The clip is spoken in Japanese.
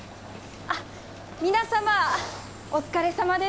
あっ皆様お疲れさまでした。